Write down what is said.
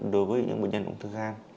đối với những bệnh nhân ung thư gan